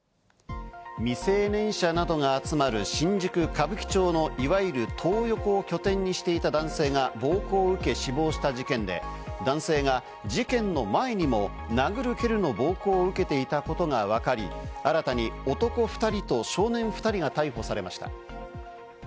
未成年者などが集まる新宿・歌舞伎町のいわゆるトー横を拠点にしていた男性が暴行を受け死亡した事件で男性が事件の前にも殴る蹴るの暴行を受けていたことが分かり、新たに男２人と少年２人が逮捕されました。